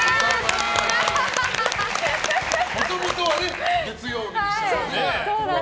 もともとは月曜日でしたからね。